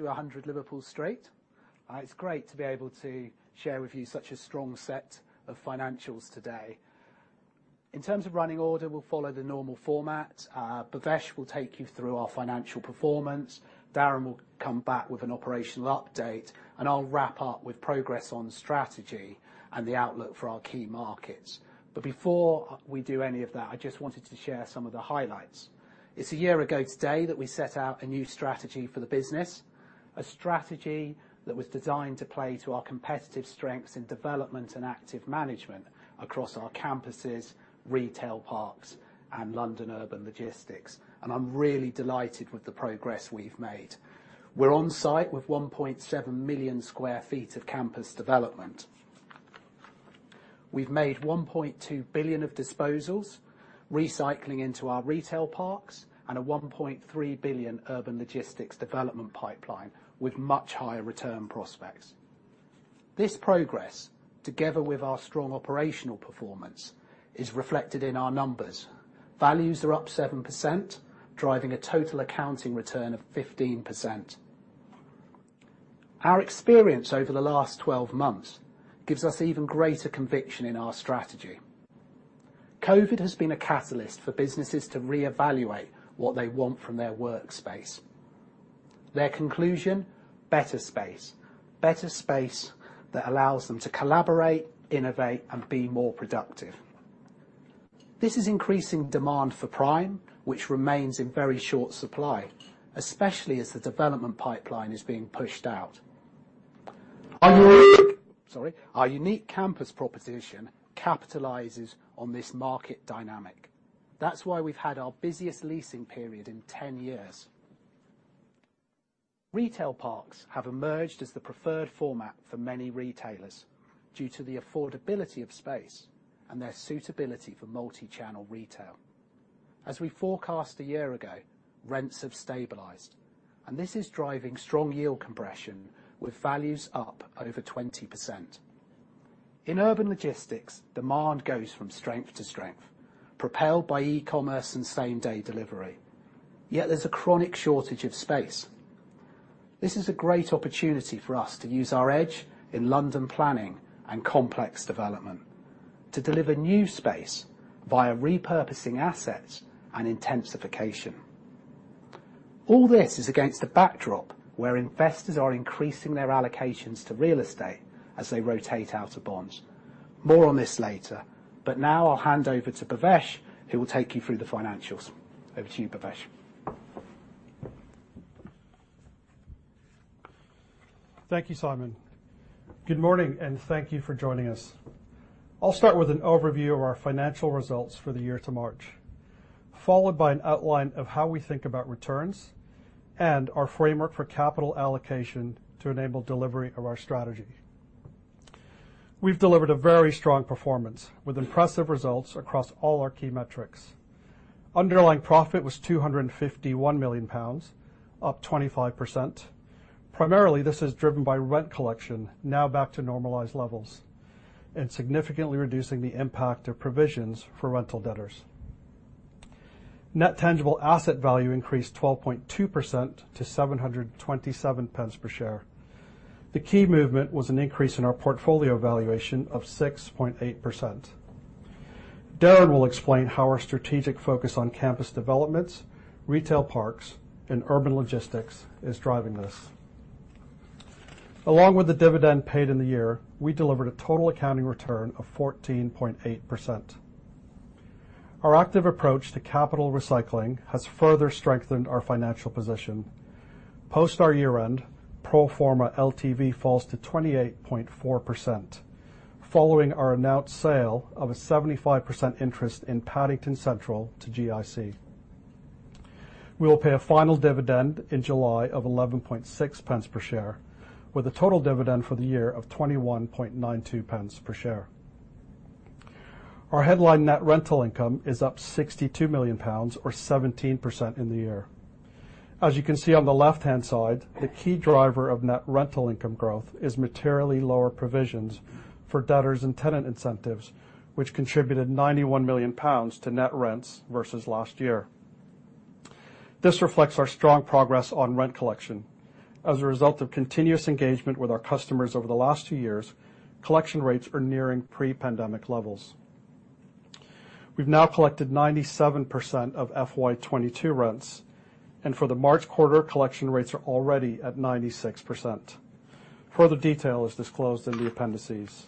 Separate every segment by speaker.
Speaker 1: 100 Liverpool Street. It's great to be able to share with you such a strong set of financials today. In terms of running order, we'll follow the normal format. Bhavesh will take you through our financial performance, Darren will come back with an operational update, and I'll wrap up with progress on strategy and the outlook for our key markets. Before we do any of that, I just wanted to share some of the highlights. It's a year ago today that we set out a new strategy for the business, a strategy that was designed to play to our competitive strengths in development and active management across our campuses, retail parks, and London urban logistics, and I'm really delighted with the progress we've made. We're on-site with 1.7 million sq ft of campus development. We've made 1.2 billion of disposals, recycling into our retail parks, and a 1.3 billion urban logistics development pipeline with much higher-return prospects. This progress, together with our strong operational performance, is reflected in our numbers. Values are up 7%, driving a total accounting return of 15%. Our experience over the last 12 months gives us even greater conviction in our strategy. COVID has been a catalyst for businesses to reevaluate what they want from their workspace. Their conclusion, better space. Better space that allows them to collaborate, innovate, and be more productive. This is increasing demand for prime, which remains in very short supply, especially as the development pipeline is being pushed out. Our unique campus proposition capitalizes on this market dynamic. That's why we've had our busiest leasing period in 10 years. Retail parks have emerged as the preferred format for many retailers due to the affordability of space and their suitability for multi-channel retail. As we forecast a year ago, rents have stabilized, and this is driving strong yield compression with values up over 20%. In urban logistics, demand goes from strength to strength, propelled by e-commerce and same-day delivery. Yet there's a chronic shortage of space. This is a great opportunity for us to use our edge in London planning and complex development to deliver new space via repurposing assets and intensification. All this is against a backdrop where investors are increasing their allocations to real estate as they rotate out of bonds. More on this later, but now I'll hand over to Bhavesh who will take you through the financials. Over to you, Bhavesh.
Speaker 2: Thank you, Simon. Good morning, and thank you for joining us. I'll start with an overview of our financial results for the year to March, followed by an outline of how we think about returns and our framework for capital allocation to enable delivery of our strategy. We've delivered a very strong performance with impressive results across all our key metrics. Underlying profit was 251 million pounds, up 25%. Primarily, this is driven by rent collection now back to normalized levels and significantly reducing the impact of provisions for rental debtors. Net tangible asset value increased 12.2% to 7.27 per share. The key movement was an increase in our portfolio valuation of 6.8%. Darren will explain how our strategic focus on campus developments, retail parks, and urban logistics is driving this. With the dividend paid in the year, we delivered a total accounting return of 14.8%. Our active approach to capital recycling has further strengthened our financial position. Post our year-end, pro forma LTV falls to 28.4% following our announced sale of a 75% interest in Paddington Central to GIC. We will pay a final dividend in July of 11.6 pence per share, with a total dividend for the year of 21.92 pence per share. Our headline net rental income is up 62 million pounds, or 17% in the year. As you can see on the left-hand side, the key driver of net rental income growth is materially lower provisions for debtors and tenant incentives, which contributed 91 million pounds to net rents versus last year. This reflects our strong progress on rent collection. As a result of continuous engagement with our customers over the last two years, collection rates are nearing pre-pandemic levels. We've now collected 97% of FY 2022 rents, and for the March quarter, collection rates are already at 96%. Further detail is disclosed in the appendices.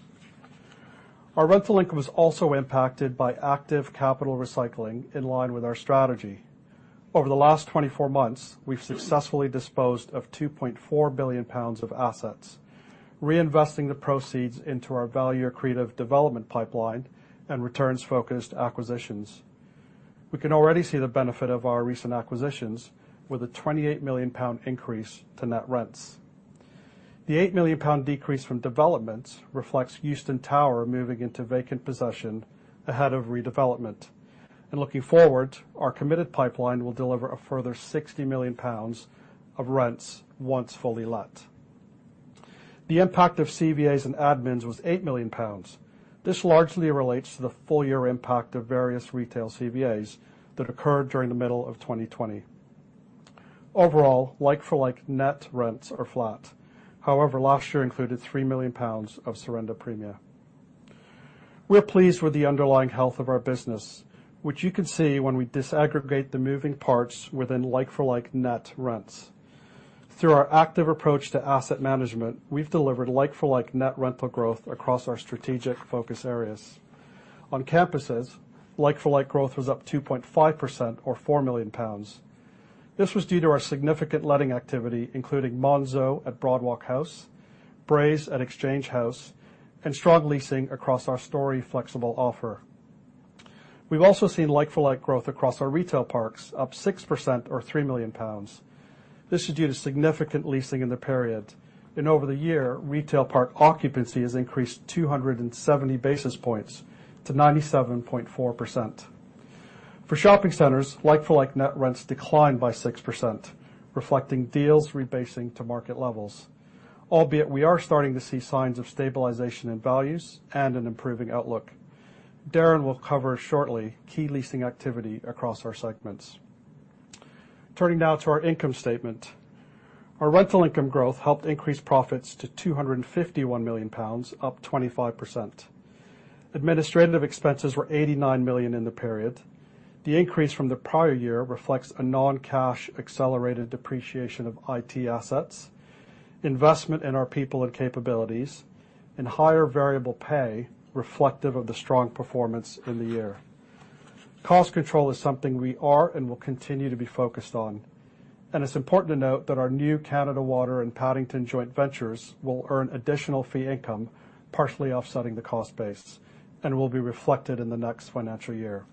Speaker 2: Our rental income was also impacted by active capital recycling in line with our strategy. Over the last 24 months, we've successfully disposed of 2.4 billion pounds of assets, reinvesting the proceeds into our value accretive development pipeline and returns-focused acquisitions. We can already see the benefit of our recent acquisitions with a 28 million pound increase to net rents. The 8 million pound decrease from developments reflects Euston Tower moving into vacant possession ahead of redevelopment. Looking forward, our committed pipeline will deliver a further 60 million pounds of rents once fully let. The impact of CVAs and admins was 8 million pounds. This largely relates to the full-year impact of various retail CVAs that occurred during the middle of 2020. Overall, like for like, net rents are flat. However, last year included 3 million pounds of surrender premia. We're pleased with the underlying health of our business, which you can see when we disaggregate the moving parts within like for like net rents. Through our active approach to asset management, we've delivered like for like net rental growth across our strategic focus areas. On campuses, like for like growth was up 2.5% or 4 million pounds. This was due to our significant letting activity, including Monzo at Broadwalk House, Braze at Exchange House, and strong leasing across our Storey flexible offer. We've also seen like-for-like growth across our retail parks, up 6% or 3 million pounds. This is due to significant leasing in the period. Over the year, retail park occupancy has increased 270 basis points to 97.4%. For shopping centers, like-for-like net rents declined by 6%, reflecting deals rebasing to market levels. Albeit, we are starting to see signs of stabilization in values and an improving outlook. Darren will cover shortly key leasing activity across our segments. Turning now to our income statement. Our rental income growth helped increase profits to 251 million pounds, up 25%. Administrative expenses were 89 million in the period. The increase from the prior year reflects a non-cash accelerated depreciation of IT assets, investment in our people and capabilities, and higher-variable pay reflective of the strong performance in the year. Cost control is something we are and will continue to be focused on, and it's important to note that our new Canada Water and Paddington joint ventures will earn additional fee income, partially offsetting the cost base and will be reflected in the next financial year.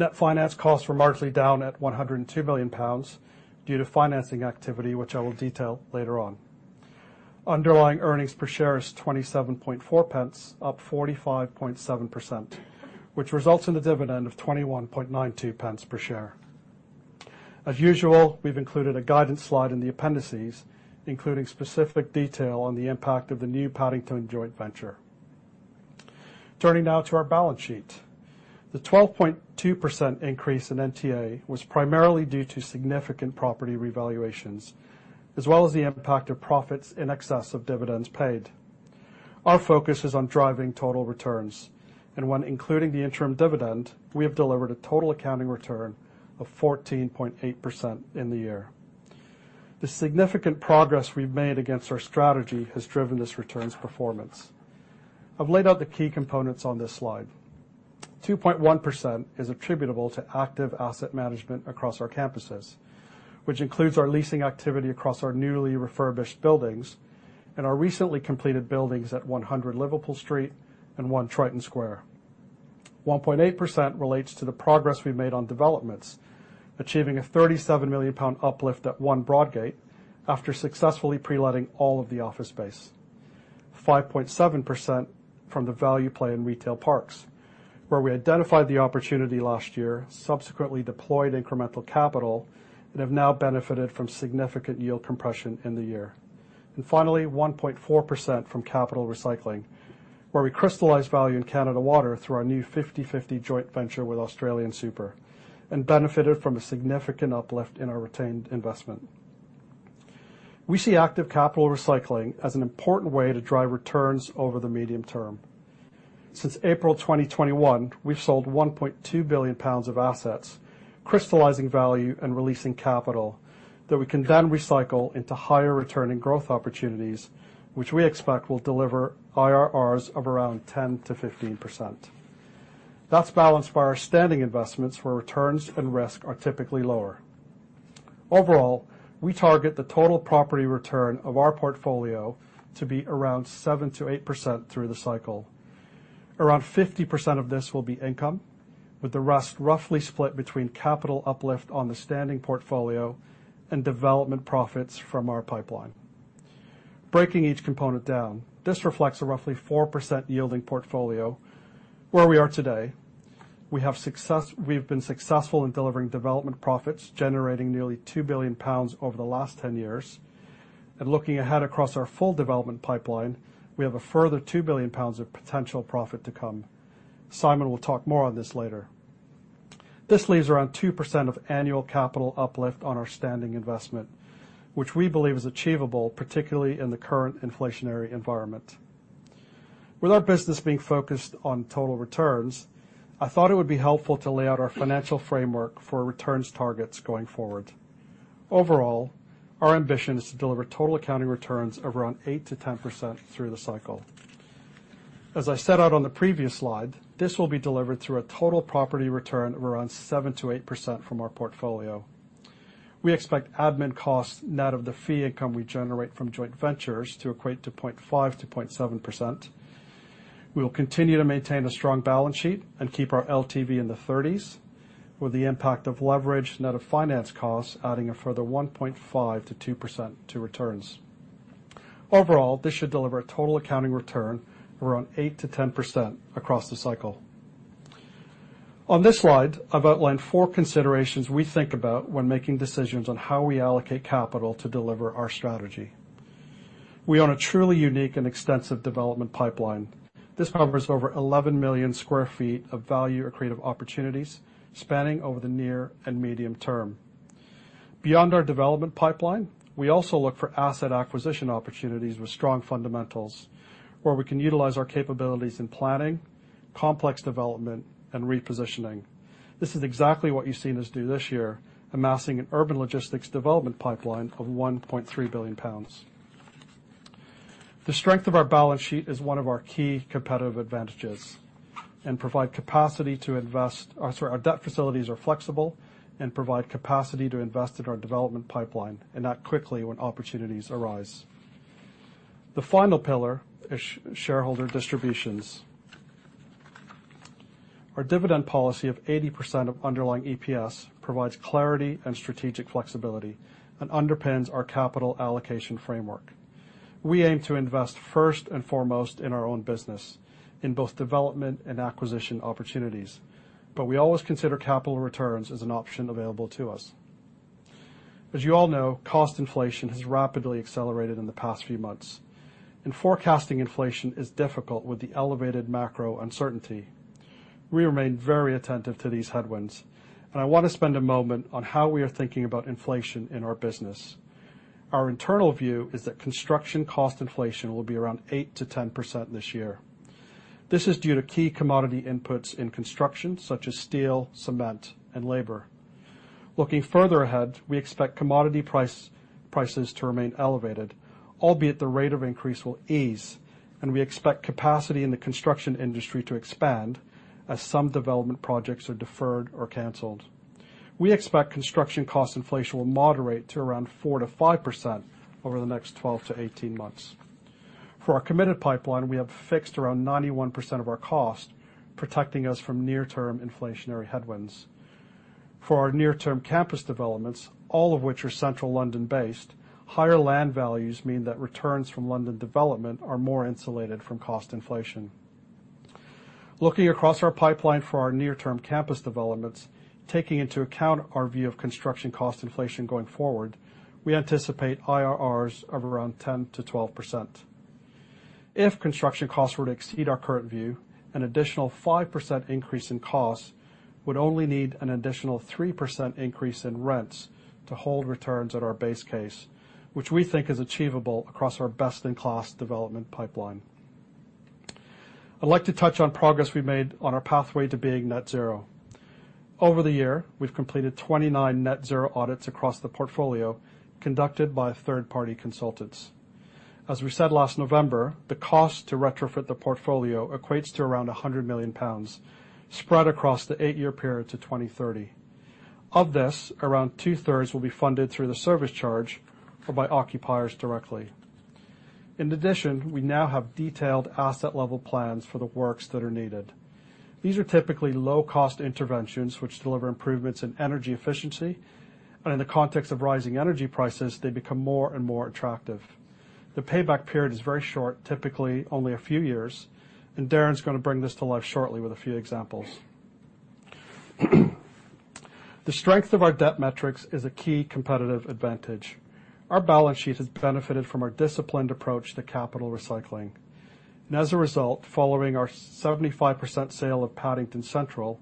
Speaker 2: Net finance costs were marginally down at 102 million pounds due to financing activity, which I will detail later on. Underlying earnings per share is 27.4 pence, up 45.7%, which results in a dividend of 21.92 pence per share. As usual, we've included a guidance slide in the appendices, including specific detail on the impact of the new Paddington joint venture. Turning now to our balance sheet. The 12.2% increase in NTA was primarily due to significant property revaluations, as well as the impact of profits in excess of dividends paid. Our focus is on driving total returns, and when including the interim dividend, we have delivered a total accounting return of 14.8% in the year. The significant progress we've made against our strategy has driven this return's performance. I've laid out the key components on this slide. 2.1% is attributable to active asset management across our campuses, which includes our leasing activity across our newly refurbished buildings and our recently completed buildings at 100 Liverpool Street and 1 Triton Square. 1.8% relates to the progress we've made on developments, achieving a 37 million pound uplift at 1 Broadgate after successfully pre-letting all of the office space. 5.7% from the value play in retail parks, where we identified the opportunity last year, subsequently deployed incremental capital, and have now benefited from significant yield compression in the year. Finally, 1.4% from capital recycling, where we crystallized value in Canada Water through our new 50/50 joint venture with AustralianSuper and benefited from a significant uplift in our retained investment. We see active capital recycling as an important way to drive returns over the medium term. Since April 2021, we've sold 1.2 billion pounds of assets, crystallizing value and releasing capital that we can then recycle into higher return and growth opportunities, which we expect will deliver IRRs of around 10%-15%. That's balanced by our standing investments, where returns and risk are typically lower. Overall, we target the total property return of our portfolio to be around 7%-8% through the cycle. Around 50% of this will be income, with the rest roughly split between capital uplift on the standing portfolio and development profits from our pipeline. Breaking each component down, this reflects a roughly 4% yielding portfolio where we are today. We've been successful in delivering development profits, generating nearly 2 billion pounds over the last 10 years. Looking ahead across our full development pipeline, we have a further 2 billion pounds of potential profit to come. Simon will talk more on this later. This leaves around 2% of annual capital uplift on our standing investment, which we believe is achievable, particularly in the current inflationary environment. With our business being focused on total returns, I thought it would be helpful to lay out our financial framework for our returns targets going forward. Overall, our ambition is to deliver total accounting returns of around 8%-10% through the cycle. As I set out on the previous slide, this will be delivered through a total property return of around 7%-8% from our portfolio. We expect admin costs net of the fee income we generate from joint ventures to equate to 0.5%-0.7%. We will continue to maintain a strong balance sheet and keep our LTV in the 30s, with the impact of leverage net of finance costs adding a further 1.5%-2% to returns. Overall, this should deliver a total accounting return of around 8%-10% across the cycle. On this slide, I've outlined four considerations we think about when making decisions on how we allocate capital to deliver our strategy. We own a truly unique and extensive development pipeline. This covers over 11 million sq ft of value or creative opportunities spanning over the near and medium term. Beyond our development pipeline, we also look for asset acquisition opportunities with strong fundamentals, where we can utilize our capabilities in planning, complex development, and repositioning. This is exactly what you've seen us do this year, amassing an urban logistics development pipeline of 1.3 billion pounds. The strength of our balance sheet is one of our key competitive advantages, and provide capacity to invest... Sorry, our debt facilities are flexible and provide capacity to invest in our development pipeline and act quickly when opportunities arise. The final pillar is shareholder distributions. Our dividend policy of 80% of underlying EPS provides clarity and strategic flexibility and underpins our capital allocation framework. We aim to invest first and foremost in our own business in both development and acquisition opportunities. We always consider capital returns as an option available to us. As you all know, cost inflation has rapidly accelerated in the past few months, and forecasting inflation is difficult with the elevated macro uncertainty. We remain very attentive to these headwinds, and I wanna spend a moment on how we are thinking about inflation in our business. Our internal view is that construction cost inflation will be around 8%-10% this year. This is due to key commodity inputs in construction, such as steel, cement, and labor. Looking further ahead, we expect commodity prices to remain elevated, albeit the rate of increase will ease, and we expect capacity in the construction industry to expand as some development projects are deferred or canceled. We expect construction cost inflation will moderate to around 4%-5% over the next 12-18 months. For our committed pipeline, we have fixed around 91% of our cost, protecting us from near-term inflationary headwinds. For our near-term campus developments, all of which are central London-based, higher land values mean that returns from London development are more insulated from cost inflation. Looking across our pipeline for our near-term campus developments, taking into account our view of construction cost inflation going forward, we anticipate IRRs of around 10%-12%. If construction costs were to exceed our current view, an additional 5% increase in costs would only need an additional 3% increase in rents to hold returns at our base case, which we think is achievable across our best-in-class development pipeline. I'd like to touch on progress we made on our pathway to being net zero. Over the year, we've completed 29 net zero audits across the portfolio conducted by third-party consultants. As we said last November, the cost to retrofit the portfolio equates to around 100 million pounds spread across the 8-year period to 2030. Of this, around two-thirds will be funded through the service charge or by occupiers directly. In addition, we now have detailed asset level plans for the works that are needed. These are typically low-cost interventions which deliver improvements in energy efficiency, and in the context of rising energy prices, they become more and more attractive. The payback period is very short, typically only a few years, and Darren's gonna bring this to life shortly with a few examples. The strength of our debt metrics is a key competitive advantage. Our balance sheet has benefited from our disciplined approach to capital recycling. As a result, following our 75% sale of Paddington Central,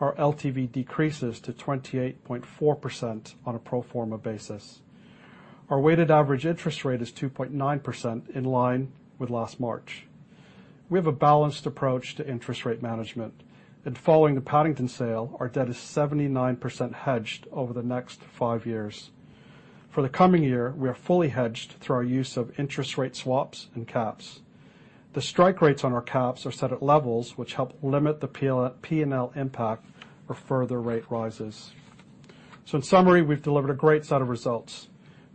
Speaker 2: our LTV decreases to 28.4% on a pro forma basis. Our weighted average interest rate is 2.9% in line with last March. We have a balanced approach to interest rate management. Following the Paddington sale, our debt is 79% hedged over the next five years. For the coming year, we are fully hedged through our use of interest rate swaps and caps. The strike rates on our caps are set at levels which help limit the P&L impact for further rate rises. In summary, we've delivered a great set of results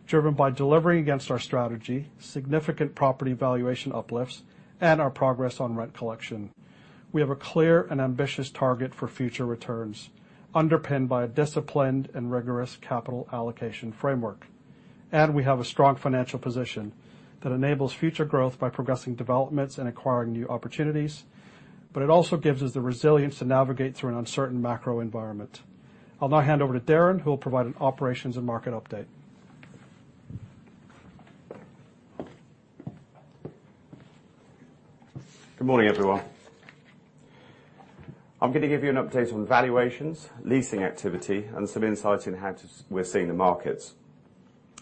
Speaker 2: driven by delivering against our strategy, significant property valuation uplifts, and our progress on rent collection. We have a clear and ambitious target for future returns underpinned by a disciplined and rigorous capital allocation framework. We have a strong financial position that enables future growth by progressing developments and acquiring new opportunities, but it also gives us the resilience to navigate through an uncertain macro environment. I'll now hand over to Darren, who will provide an operations and market update.
Speaker 3: Good morning, everyone. I'm gonna give you an update on valuations, leasing activity, and some insights in how we're seeing the markets.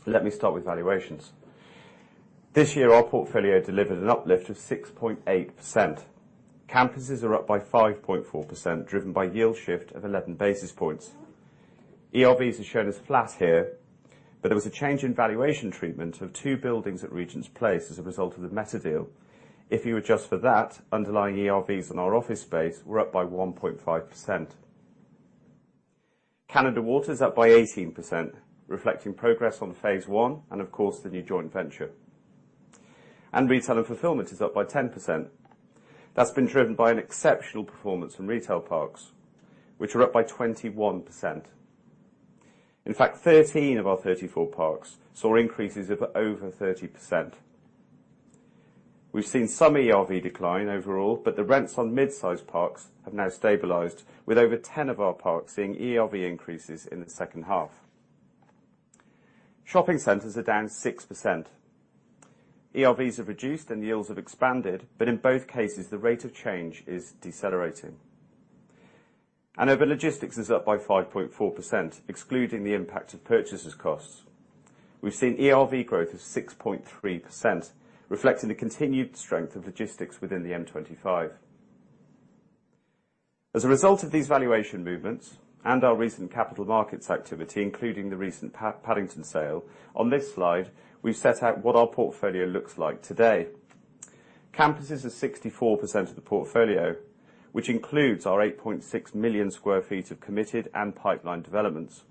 Speaker 3: Let me start with valuations. This year, our portfolio delivered an uplift of 6.8%. Campuses are up by 5.4%, driven by yield shift of 11 basis points. ERVs are shown as flat here, but there was a change in valuation treatment of two buildings at Regents Place as a result of the Meta deal. If you adjust for that, underlying ERVs in our office space were up by 1.5%. Canada Water is up by 18%, reflecting progress on phase one and of course the new joint venture. Retail and fulfillment is up by 10%. That's been driven by an exceptional performance in retail parks, which are up by 21%. In fact, 13 of our 34 parks saw increases of over 30%. We've seen some ERV decline overall, but the rents on mid-sized parks have now stabilized with over 10 of our parks seeing ERV increases in the second half. Shopping centers are down 6%. ERVs have reduced and yields have expanded, but in both cases, the rate of change is decelerating. Urban logistics is up by 5.4%, excluding the impact of purchase costs. We've seen ERV growth of 6.3%, reflecting the continued strength of logistics within the M25. As a result of these valuation movements and our recent capital markets activity, including the recent Paddington sale, on this slide, we've set out what our portfolio looks like today. Campuses are 64% of the portfolio, which includes our 8.6 million sq ft of committed and pipeline developments.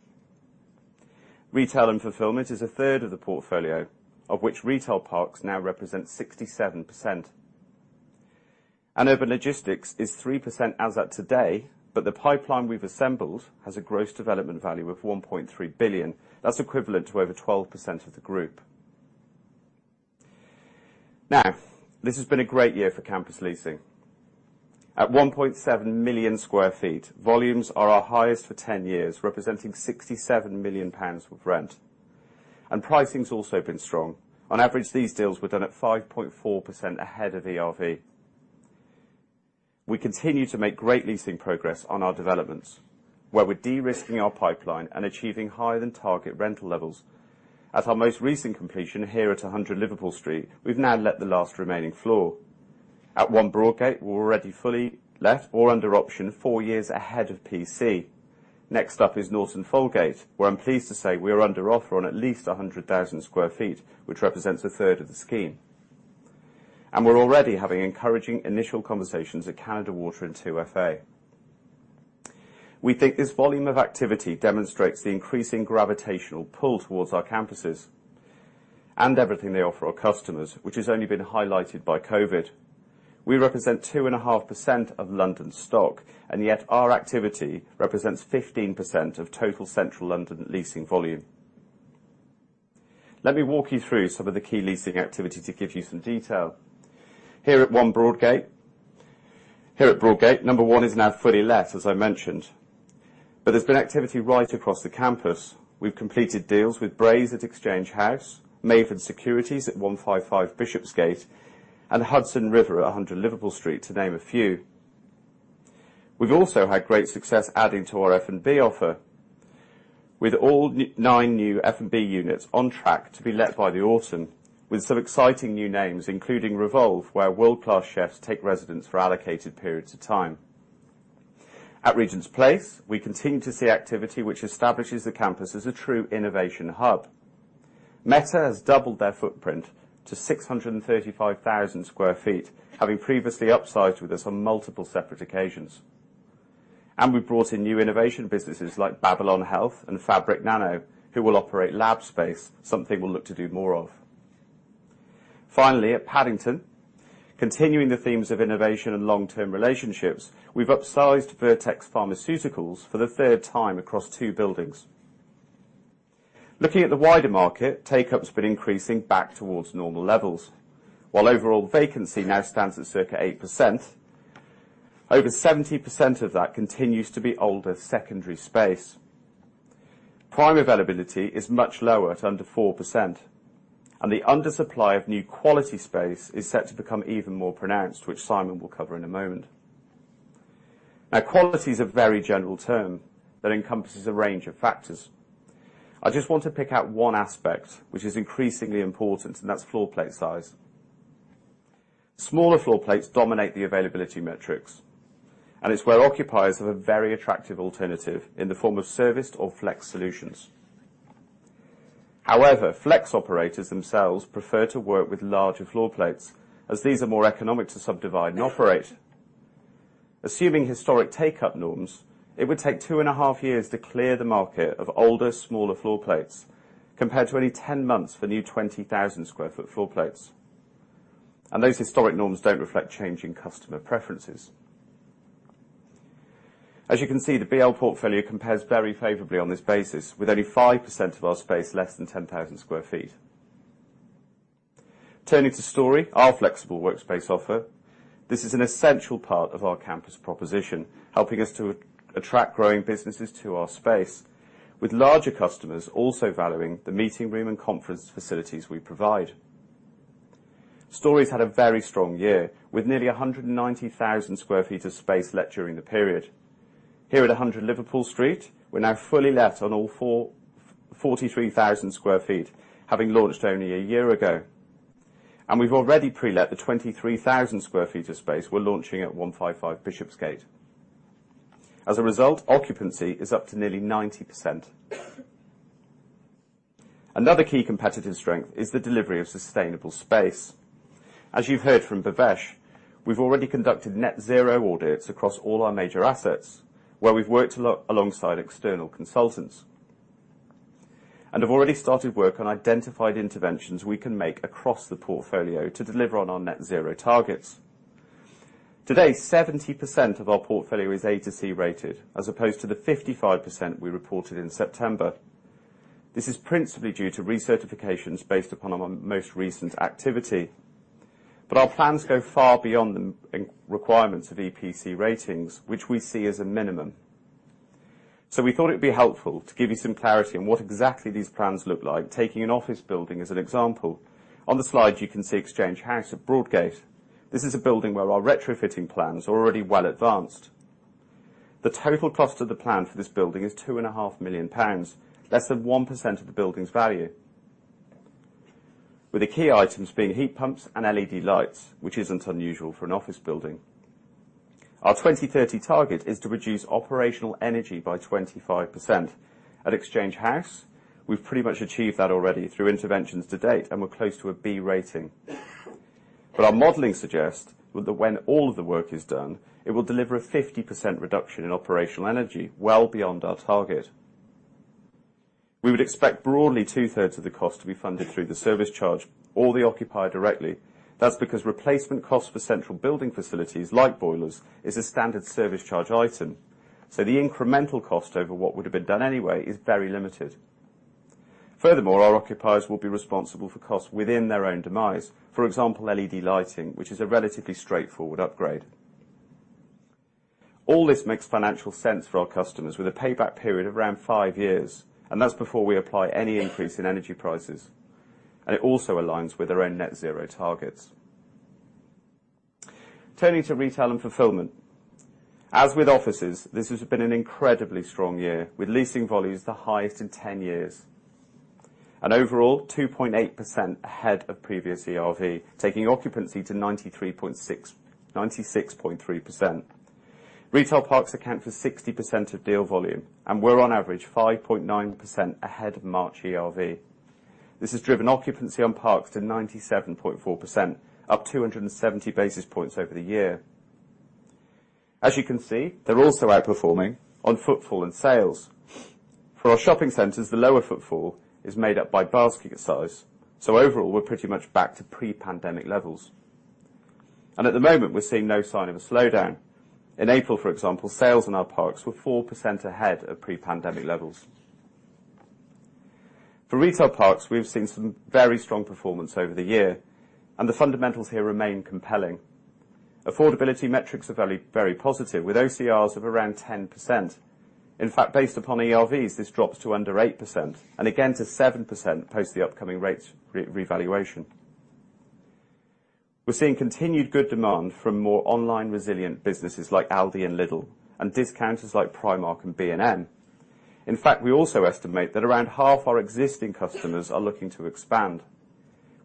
Speaker 3: Retail and fulfillment is a third of the portfolio, of which retail parks now represent 67%. Urban logistics is 3% as at today, but the pipeline we've assembled has a gross development value of 1.3 billion. That's equivalent to over 12% of the group. Now, this has been a great year for campus leasing. At 1.7 million sq ft, volumes are our highest for 10 years, representing 67 million pounds of rent. Pricing's also been strong. On average, these deals were done at 5.4% ahead of ERV. We continue to make great leasing progress on our developments, where we're de-risking our pipeline and achieving higher than target rental levels. At our most recent completion here at 100 Liverpool Street, we've now let the last remaining floor. At One Broadgate, we're already fully let or under option four years ahead of PC. Next up is Norton Folgate, where I'm pleased to say we are under offer on at least 100,000 sq ft, which represents a third of the scheme. We're already having encouraging initial conversations at Canada Water and 2FA. We think this volume of activity demonstrates the increasing gravitational pull towards our campuses and everything they offer our customers, which has only been highlighted by COVID. We represent 2.5% of London's stock, and yet our activity represents 15% of total Central London leasing volume. Let me walk you through some of the key leasing activity to give you some detail. Here at Broadgate, number one is now fully let, as I mentioned, but there's been activity right across the campus. We've completed deals with Braze at Exchange House, Maven Securities at 155 Bishopsgate, and Hudson River Trading at 100 Liverpool Street, to name a few. We've also had great success adding to our F&B offer with all nine new F&B units on track to be let by the autumn, with some exciting new names, including Revolve, where world-class chefs take residents for allocated periods of time. At Regents Place, we continue to see activity which establishes the campus as a true innovation hub. Meta has doubled their footprint to 635,000 sq ft, having previously upsized with us on multiple separate occasions. We've brought in new innovation businesses like Babylon Health and FabricNano, who will operate lab space, something we'll look to do more of. Finally, at Paddington, continuing the themes of innovation and long-term relationships, we've upsized Vertex Pharmaceuticals for the third time across two buildings. Looking at the wider market, take-up's been increasing back towards normal levels. While overall vacancy now stands at circa 8%, over 70% of that continues to be older secondary space. Prime availability is much lower at under 4%, and the undersupply of new quality space is set to become even more pronounced, which Simon will cover in a moment. Now, quality is a very general term that encompasses a range of factors. I just want to pick out one aspect which is increasingly important, and that's floor plate size. Smaller floor plates dominate the availability metrics, and it's where occupiers have a very attractive alternative in the form of serviced or flex solutions. However, flex operators themselves prefer to work with larger floor plates as these are more economic to subdivide and operate. Assuming historic take-up norms, it would take 2.5 years to clear the market of older, smaller floor plates, compared to only 10 months for new 20,000 sq ft floor plates. Those historic norms don't reflect changing customer preferences. As you can see, the BL portfolio compares very favorably on this basis, with only 5% of our space less than 10,000 sq ft. Turning to Storey, our flexible workspace offer, this is an essential part of our campus proposition, helping us to attract growing businesses to our space, with larger customers also valuing the meeting room and conference facilities we provide. Storey's had a very strong year, with nearly 190,000 sq ft of space let during the period. Here at 100 Liverpool Street, we're now fully let on all 43,000 sq ft, having launched only a year ago. We've already pre-let the 23,000 sq ft of space we're launching at 155 Bishopsgate. As a result, occupancy is up to nearly 90%. Another key competitive strength is the delivery of sustainable space. As you've heard from Bhavesh, we've already conducted net zero audits across all our major assets, where we've worked alongside external consultants, and have already started work on identified interventions we can make across the portfolio to deliver on our net zero targets. Today, 70% of our portfolio is A to C rated, as opposed to the 55% we reported in September. This is principally due to recertifications based upon our most recent activity. Our plans go far beyond the requirements of EPC ratings, which we see as a minimum. We thought it'd be helpful to give you some clarity on what exactly these plans look like. Taking an office building as an example, on the slide you can see Exchange House at Broadgate. This is a building where our retrofitting plans are already well-advanced. The total cost of the plan for this building is two and a half million pounds, less than 1% of the building's value, with the key items being heat pumps and LED lights, which isn't unusual for an office building. Our 2030 target is to reduce operational energy by 25%. At Exchange House, we've pretty much achieved that already through interventions to date, and we're close to a B rating. Our modeling suggests that when all of the work is done, it will deliver a 50% reduction in operational energy, well beyond our target. We would expect broadly two-thirds of the cost to be funded through the service charge or the occupier directly. That's because replacement costs for central building facilities, like boilers, is a standard service charge item, so the incremental cost over what would have been done anyway is very limited. Furthermore, our occupiers will be responsible for costs within their own demise. For example, LED lighting, which is a relatively straightforward upgrade. All this makes financial sense for our customers with a payback period of around 5 years, and that's before we apply any increase in energy prices, and it also aligns with their own net zero targets. Turning to retail and fulfillment. As with offices, this has been an incredibly strong year, with leasing volumes the highest in 10 years, and overall 2.8% ahead of previous ERV, taking occupancy to 96.3%. Retail parks account for 60% of deal volume, and we're on average 5.9% ahead of March ERV. This has driven occupancy on parks to 97.4%, up 270 basis points over the year. As you can see, they're also outperforming on footfall and sales. For our shopping centers, the lower-footfall is made up by basket size, so overall we're pretty much back to pre-pandemic levels, and at the moment we're seeing no sign of a slowdown. In April, for example, sales in our parks were 4% ahead of pre-pandemic levels. For retail parks, we've seen some very strong performance over the year, and the fundamentals here remain compelling. Affordability metrics are very, very positive, with OCRs of around 10%. In fact, based upon ERVs, this drops to under 8% and again to 7% post the upcoming rate revaluation. We're seeing continued good demand from more online resilient businesses like Aldi and Lidl, and discounters like Primark and B&M. In fact, we also estimate that around half our existing customers are looking to expand,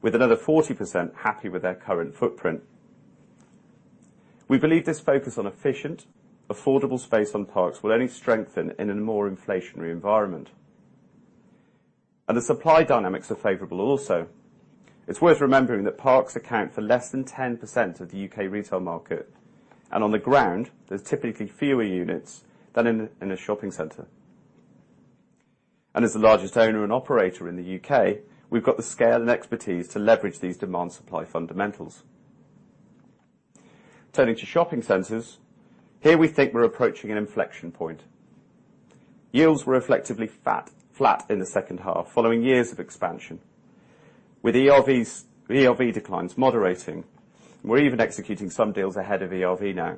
Speaker 3: with another 40% happy with their current footprint. We believe this focus on efficient, affordable space on parks will only strengthen in a more inflationary environment, and the supply dynamics are favorable also. It's worth remembering that parks account for less than 10% of the UK retail market, and on the ground there's typically fewer units than in a shopping center. As the largest owner and operator in the UK, we've got the scale and expertise to leverage these demand supply fundamentals. Turning to shopping centers, here we think we're approaching an inflection point. Yields were relatively flat in the second half, following years of expansion. With ERVs, ERV declines moderating, we're even executing some deals ahead of ERV now.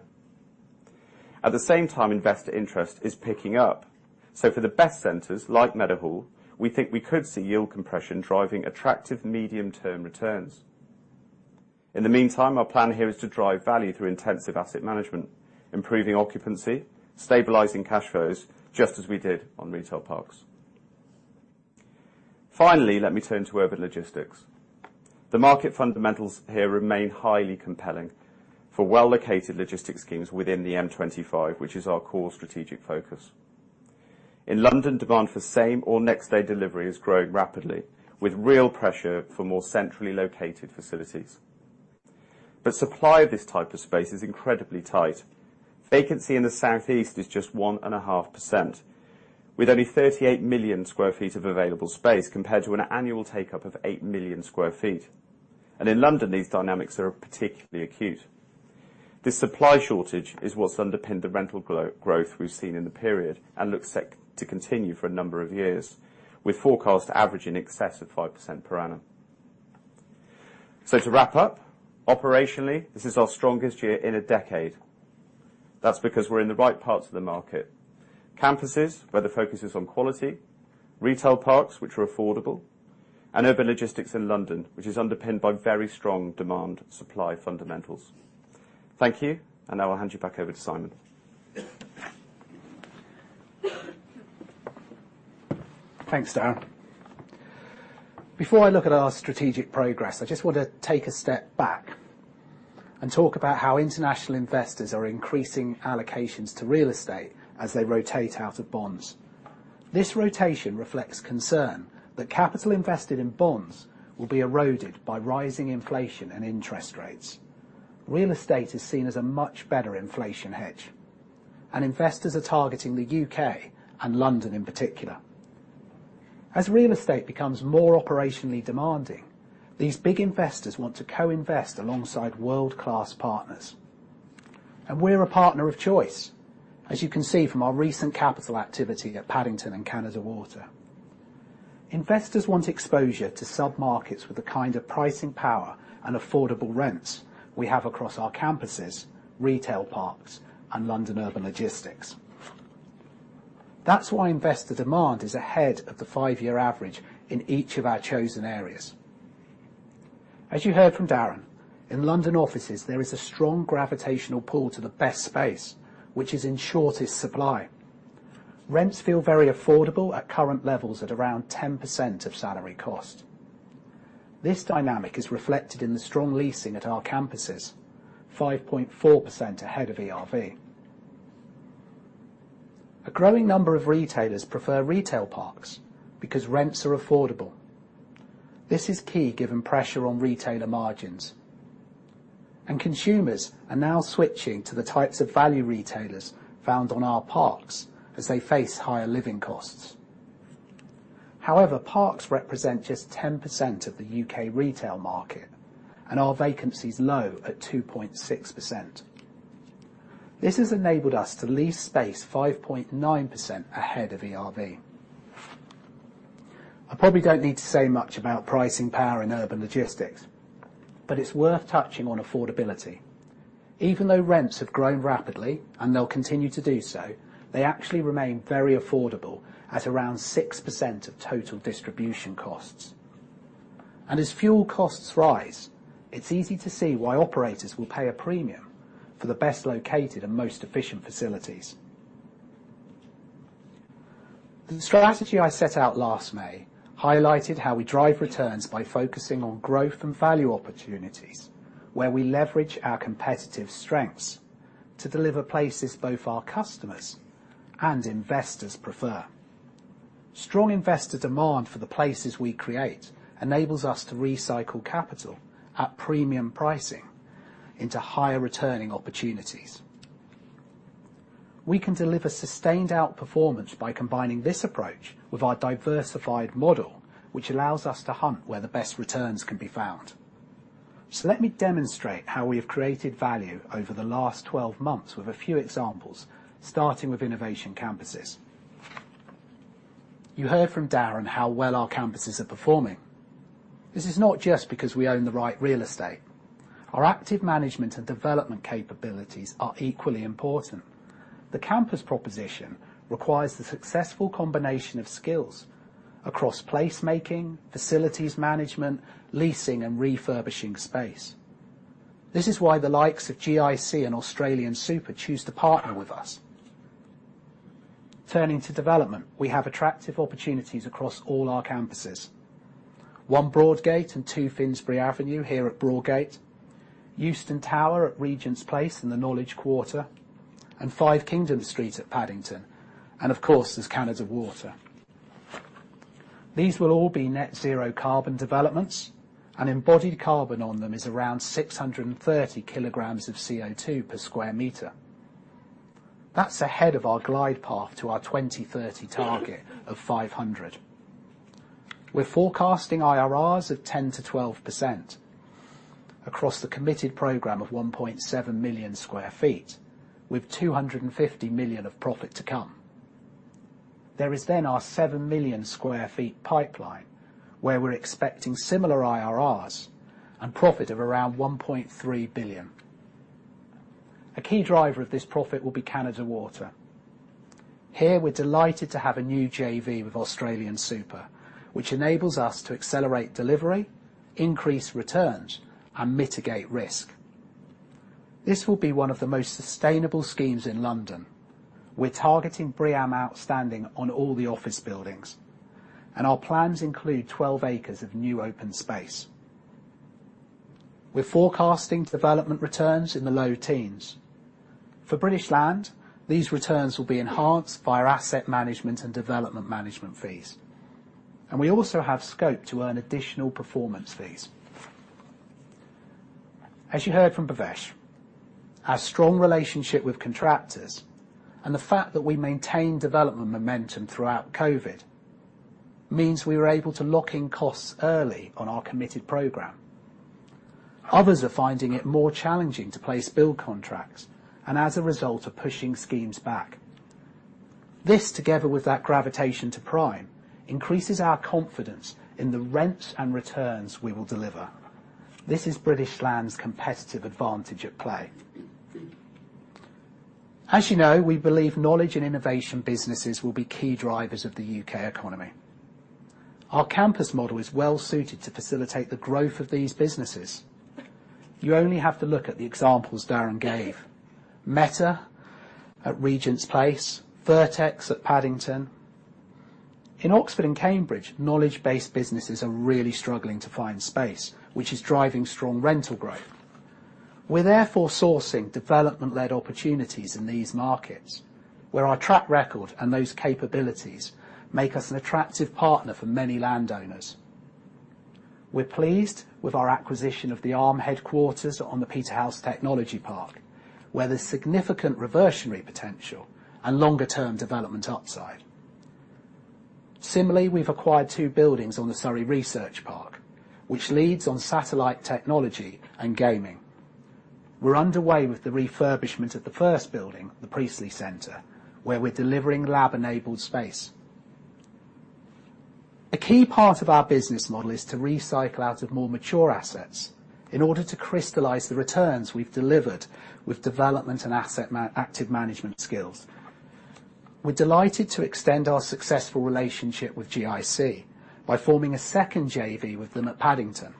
Speaker 3: At the same time, investor interest is picking up, so for the best centers, like Meadowhall, we think we could see yield compression driving attractive medium-term returns. In the meantime, our plan here is to drive value through intensive asset management, improving occupancy, stabilizing cash flows, just as we did on retail parks. Finally, let me turn to urban logistics. The market fundamentals here remain highly compelling for well-located logistics schemes within the M25, which is our core strategic focus. In London, demand for same or next-day delivery is growing rapidly, with real pressure for more centrally located facilities. Supply of this type of space is incredibly tight. Vacancy in the Southeast is just 1.5%, with only 38 million sq ft of available space compared to an annual take-up of 8 million sq ft. In London, these dynamics are particularly acute. This supply shortage is what's underpinned the rental growth we've seen in the period and looks set to continue for a number of years, with forecast average in excess of 5% per annum. To wrap up, operationally, this is our strongest year in a decade. That's because we're in the right parts of the market. Campuses, where the focus is on quality, retail parks, which are affordable, and urban logistics in London, which is underpinned by very strong demand supply fundamentals. Thank you, and now I'll hand you back over to Simon.
Speaker 1: Thanks, Darren. Before I look at our strategic progress, I just want to take a step back and talk about how international investors are increasing allocations to real estate as they rotate out of bonds. This rotation reflects concern that capital invested in bonds will be eroded by rising inflation and interest rates. Real estate is seen as a much better inflation hedge, and investors are targeting the UK and London in particular. As real estate becomes more operationally demanding, these big investors want to co-invest alongside world-class partners. We're a partner of choice, as you can see from our recent capital activity at Paddington and Canada Water. Investors want exposure to sub-markets with the kind of pricing power and affordable rents we have across our campuses, retail parks and London urban logistics. That's why investor demand is ahead of the 5-year average in each of our chosen areas. As you heard from Darren, in London offices, there is a strong gravitational pull to the best space, which is in shortest supply. Rents feel very affordable at current levels at around 10% of salary cost. This dynamic is reflected in the strong leasing at our campuses, 5.4% ahead of ERV. A growing number of retailers prefer retail parks because rents are affordable. This is key given pressure on retailer margins. Consumers are now switching to the types of value retailers found on our parks as they face higher living costs. However, parks represent just 10% of the UK retail market and our vacancy's low at 2.6%. This has enabled us to lease space 5.9% ahead of ERV. I probably don't need to say much about pricing power in urban logistics, but it's worth touching on affordability. Even though rents have grown rapidly, and they'll continue to do so, they actually remain very affordable at around 6% of total distribution costs. As fuel costs rise, it's easy to see why operators will pay a premium for the best located and most efficient facilities. The strategy I set out last May highlighted how we drive returns by focusing on growth and value opportunities where we leverage our competitive strengths to deliver places both our customers and investors prefer. Strong investor demand for the places we create enables us to recycle capital at premium pricing into higher returning opportunities. We can deliver sustained outperformance by combining this approach with our diversified model, which allows us to hunt where the best returns can be found. Let me demonstrate how we have created value over the last 12 months with a few examples, starting with innovation campuses. You heard from Darren how well our campuses are performing. This is not just because we own the right real estate. Our active management and development capabilities are equally important. The campus proposition requires the successful combination of skills across placemaking, facilities management, leasing and refurbishing space. This is why the likes of GIC and AustralianSuper choose to partner with us. Turning to development, we have attractive opportunities across all our campuses. One Broadgate and Two Finsbury Avenue here at Broadgate, Euston Tower at Regent's Place in the Knowledge Quarter, and Five Kingdom Street at Paddington, and of course, there's Canada Water. These will all be net zero carbon developments and embodied carbon on them is around 630 kg of CO2 per sq m. That's ahead of our glide path to our 2030 target of 500. We're forecasting IRRs of 10%-12% across the committed program of 1.7 million sq ft, with 250 million of profit to come. There is then our 7 million sq ft pipeline, where we're expecting similar IRRs and profit of around 1.3 billion. A key driver of this profit will be Canada Water. Here, we're delighted to have a new JV with AustralianSuper, which enables us to accelerate delivery, increase returns, and mitigate risk. This will be one of the most sustainable schemes in London. We're targeting BREEAM outstanding on all the office buildings, and our plans include 12 acres of new open space. We're forecasting development returns in the low-teens. For British Land, these returns will be enhanced via asset management and development management fees. We also have scope to earn additional performance fees. As you heard from Bhavesh, our strong relationship with contractors and the fact that we maintained development momentum throughout COVID means we were able to lock in costs early on our committed program. Others are finding it more challenging to place build contracts and as a result are pushing schemes back. This together with that gravitation to prime increases our confidence in the rents and returns we will deliver. This is British Land's competitive advantage at play. As you know, we believe knowledge and innovation businesses will be key drivers of the UK economy. Our campus model is well-suited to facilitate the growth of these businesses. You only have to look at the examples Darren gave. Meta at Regent's Place, Vertex at Paddington. In Oxford and Cambridge, knowledge-based businesses are really struggling to find space, which is driving strong rental growth. We're therefore sourcing development-led opportunities in these markets, where our track record and those capabilities make us an attractive partner for many landowners. We're pleased with our acquisition of the Arm headquarters on the Peterhouse Technology Park, where there's significant reversionary potential and longer-term development upside. Similarly, we've acquired 2 buildings on the Surrey Research Park, which leads on satellite technology and gaming. We're underway with the refurbishment of the first building, the Priestley Centre, where we're delivering lab-enabled space. A key part of our business model is to recycle out of more mature assets in order to crystallize the returns we've delivered with development and asset management skills. We're delighted to extend our successful relationship with GIC by forming a second JV with them at Paddington.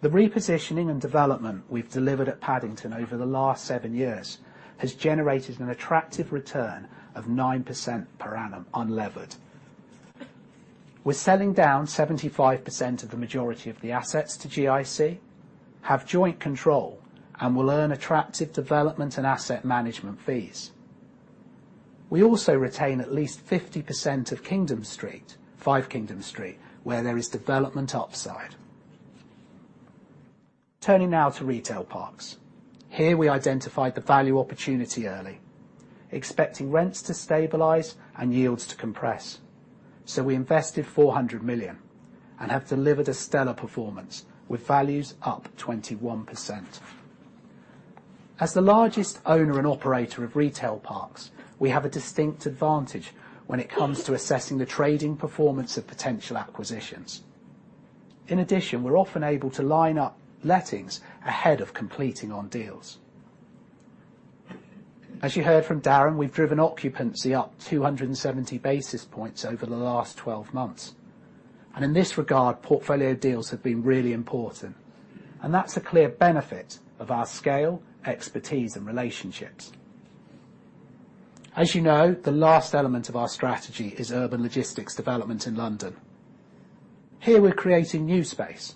Speaker 1: The repositioning and development we've delivered at Paddington over the last 7 years has generated an attractive return of 9% per annum unlevered. We're selling down 75% of the majority of the assets to GIC, have joint control, and will earn attractive development and asset management fees. We also retain at least 50% of Kingdom Street, Five Kingdom Street, where there is development upside. Turning now to retail parks. Here, we identified the value opportunity early, expecting rents to stabilize and yields to compress. We invested 400 million and have delivered a stellar performance with values up 21%. As the largest owner and operator of retail parks, we have a distinct advantage when it comes to assessing the trading performance of potential acquisitions. In addition, we're often able to line up lettings ahead of completing on deals. As you heard from Darren, we've driven occupancy up 270 basis points over the last 12 months. In this regard, portfolio deals have been really important, and that's a clear benefit of our scale, expertise, and relationships. As you know, the last element of our strategy is urban logistics development in London. Here, we're creating new space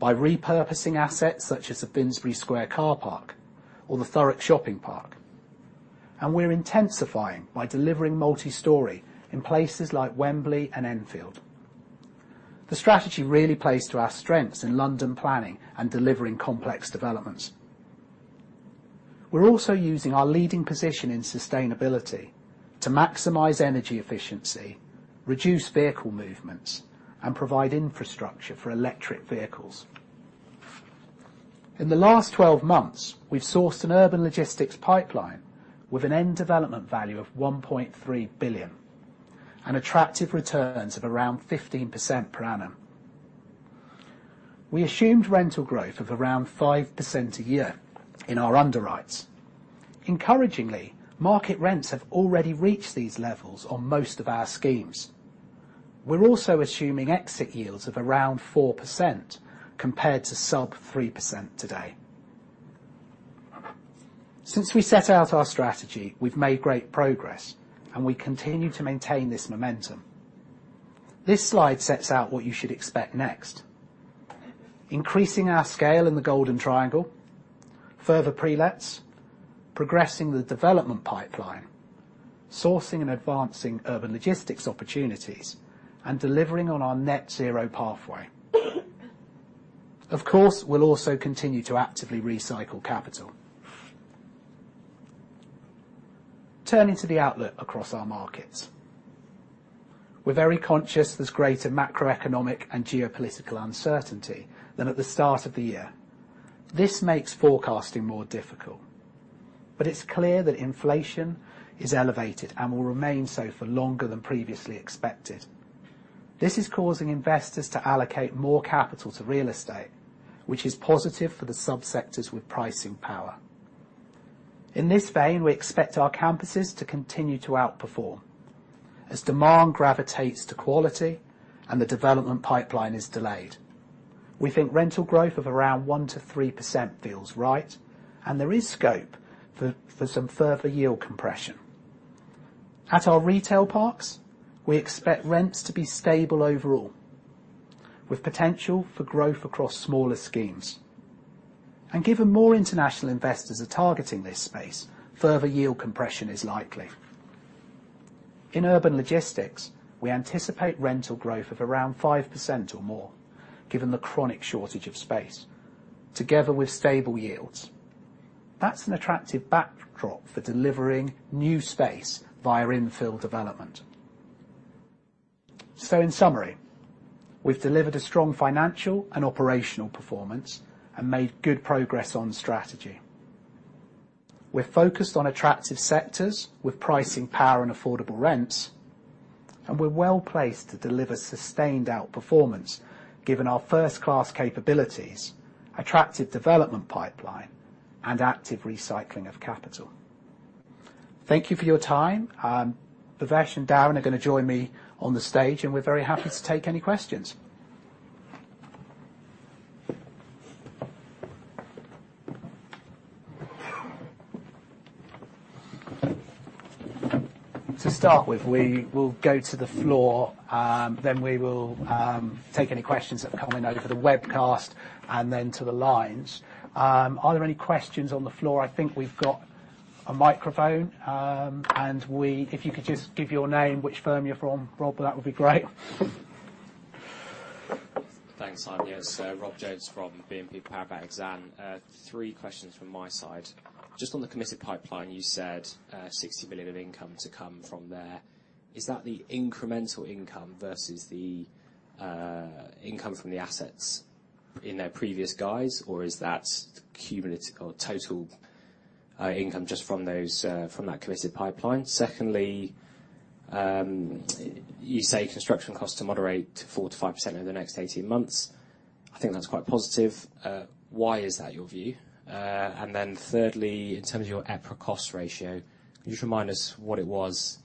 Speaker 1: by repurposing assets such as the Finsbury Square car park or the Thurrock Shopping Park, and we're intensifying by delivering multi-story in places like Wembley and Enfield. The strategy really plays to our strengths in London planning and delivering complex developments. We're also using our leading position in sustainability to maximize energy efficiency, reduce vehicle movements, and provide infrastructure for electric vehicles. In the last 12 months, we've sourced an urban logistics pipeline with an end development value of 1.3 billion, and attractive returns of around 15% per annum. We assumed rental growth of around 5% a year in our underwrites. Encouragingly, market rents have already reached these levels on most of our schemes. We're also assuming exit yields of around 4% compared to sub-3% today. Since we set out our strategy, we've made great progress, and we continue to maintain this momentum. This slide sets out what you should expect next. Increasing our scale in the Golden Triangle, further pre-lets, progressing the development pipeline, sourcing and advancing urban logistics opportunities, and delivering on our net zero pathway. Of course, we'll also continue to actively recycle capital. Turning to the outlook across our markets. We're very conscious there's greater macroeconomic and geopolitical uncertainty than at the start of the year. This makes forecasting more difficult. It's clear that inflation is elevated and will remain so for longer than previously expected. This is causing investors to allocate more capital to real estate, which is positive for the subsectors with pricing power. In this vein, we expect our campuses to continue to outperform as demand gravitates to quality and the development pipeline is delayed. We think rental growth of around 1%-3% feels right, and there is scope for some further yield compression. At our retail parks, we expect rents to be stable overall, with potential for growth across smaller schemes. Given more international investors are targeting this space, further yield compression is likely. In urban logistics, we anticipate rental growth of around 5% or more, given the chronic shortage of space, together with stable yields. That's an attractive backdrop for delivering new space via infill development. In summary, we've delivered a strong financial and operational performance and made good progress on strategy. We're focused on attractive sectors with pricing power and affordable rents, and we're well-placed to deliver sustained outperformance given our first-class capabilities, attractive development pipeline, and active recycling of capital. Thank you for your time. Bhavesh and Darren are gonna join me on the stage, and we're very happy to take any questions. To start with, we will go to the floor, then we will take any questions that have come in over the webcast and then to the lines. Are there any questions on the floor? I think we've got a microphone, and we, if you could just give your name, which firm you're from, Rob, that would be great.
Speaker 4: Thanks, Simon. Yes, Rob Jones from BNP Paribas Exane. 3 questions from my side. Just on the committed pipeline, you said 60 billion of income to come from there. Is that the incremental income versus the income from the assets in their previous guise, or is that cumulative or total income just from those from that committed pipeline? Secondly, you say construction costs to moderate 4%-5% over the next 18 months. I think that's quite positive. Why is that your view? Then thirdly, in terms of your EPRA cost ratio, could you just remind us what it was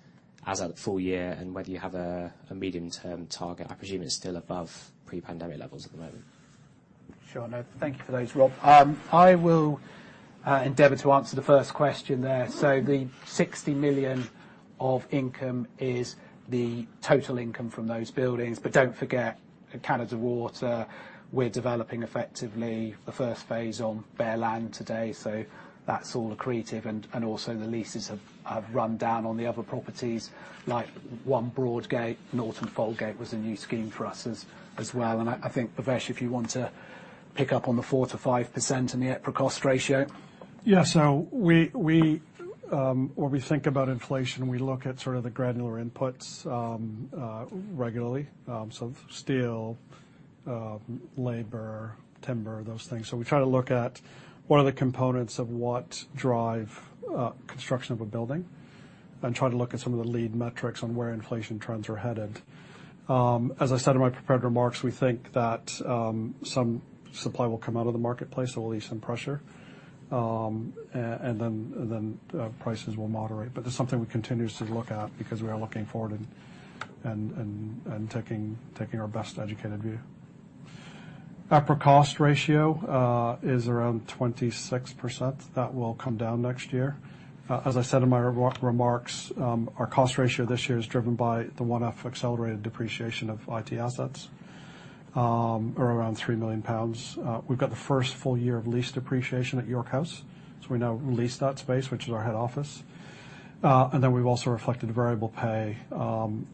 Speaker 4: as at the full-year and whether you have a medium-term target? I presume it's still above pre-pandemic levels at the moment.
Speaker 1: Sure. No, thank you for those, Rob. I will endeavor to answer the first question there. The 60 million of income is the total income from those buildings, but don't forget Canada Water, we're developing effectively the first phase on bare land today, so that's all accretive, and also the leases have run down on the other properties, like One Broadgate. Norton Folgate was a new scheme for us as well. I think, Bhavesh, if you want to pick up on the 4%-5% and the EPRA cost ratio.
Speaker 2: Yeah. When we think about inflation, we look at sort of the granular inputs regularly, so steel, labor, timber, those things. We try to look at what are the components of what drive construction of a building and try to look at some of the lead metrics on where inflation trends are headed. As I said in my prepared remarks, we think that some supply will come out of the marketplace, so we'll ease some pressure and then prices will moderate. That's something we continue to look at because we are looking forward and taking our best educated view. EPRA cost ratio is around 26%. That will come down next year. As I said in my remarks, our cost ratio this year is driven by the one-off accelerated depreciation of IT assets, around 3 million pounds. We've got the first full-year of lease depreciation at York House, so we now lease that space, which is our head office. We've also reflected variable pay,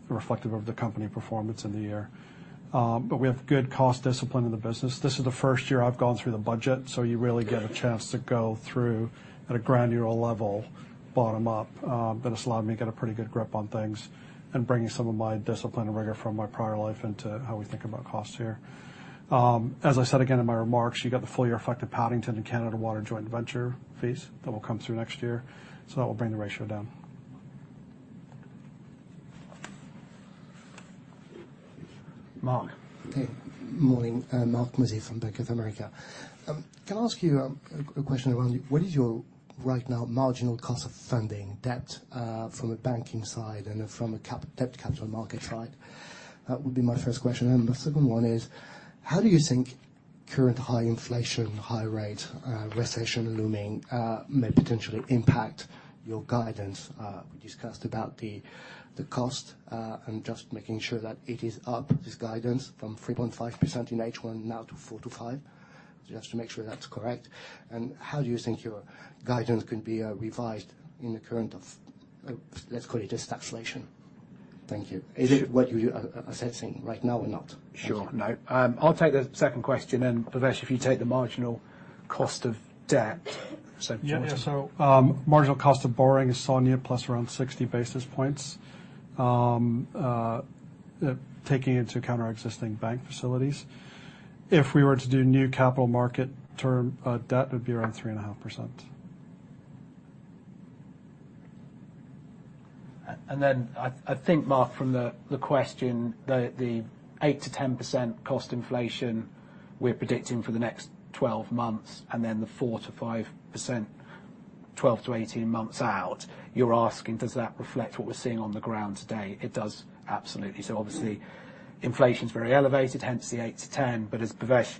Speaker 2: reflective of the company performance in the year. We have good cost discipline in the business. This is the first year I've gone through the budget, so you really get a chance to go through at a granular level, bottom-up. It's allowed me to get a pretty good grip on things and bringing some of my discipline and rigor from my prior life into how we think about costs here. As I said again in my remarks, you got the full-year effect of Paddington and Canada Water joint venture fees that will come through next year, so that will bring the ratio down.
Speaker 1: Mark.
Speaker 5: Okay. Morning. Marc Mozzi from Bank of America. Can I ask you a question around what is your right now marginal cost of funding debt from a banking side and from a capital markets side? That would be my first question. The second one is: how do you think current high-inflation, high-rate, recession looming may potentially impact your guidance? We discussed about the cost and just making sure that it is up, this guidance, from 3.5% in H1 now to 4%-5%, just to make sure that's correct. How do you think your guidance can be revised in the current of, let's call it a stagflation? Thank you. Is it what you are assessing right now or not?
Speaker 1: Sure. No, I'll take the second question and, Bhavesh, if you take the marginal cost of debt.
Speaker 2: Marginal cost of borrowing is SONIA plus around 60 basis points, taking into account our existing bank facilities. If we were to do new capital market term debt, it would be around 3.5%.
Speaker 1: I think, Mark, from the question, the 8%-10% cost inflation we're predicting for the next 12 months, and then the 4%-5% 12-18 months out, you're asking, does that reflect what we're seeing on the ground today? It does, absolutely. Obviously, inflation's very elevated, hence the 8%-10%, but as Bhavesh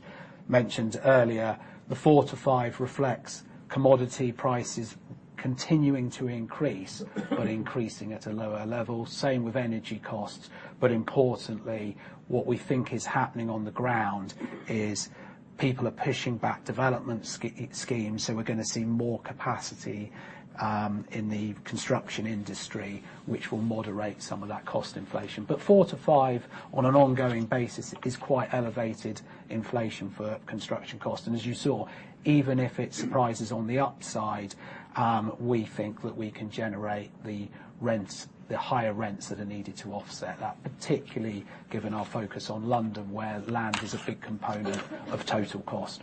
Speaker 1: mentioned earlier, the 4%-5% reflects commodity prices continuing to increase but increasing at a lower-level. Same with energy costs. Importantly, what we think is happening on the ground is people are pushing back development schemes, so we're gonna see more capacity in the construction industry, which will moderate some of that cost inflation. 4%-5% on an ongoing basis is quite elevated inflation for construction costs. As you saw, even if it surprises on the upside, we think that we can generate the rents, the higher-rents that are needed to offset that, particularly given our focus on London, where land is a big component of total cost.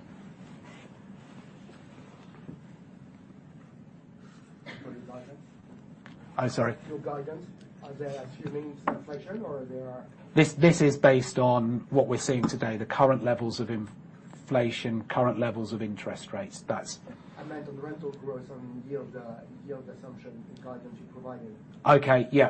Speaker 5: For the guidance?
Speaker 1: I'm sorry.
Speaker 5: For guidance, are they assuming stagflation?
Speaker 1: This is based on what we're seeing today, the current levels of inflation, current levels of interest rates. That's.
Speaker 5: I meant on rental growth, on yield assumption and guidance you provided.
Speaker 1: Okay. Yeah.